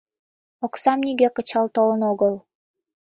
— Оксам нигӧ кычал толын огыл.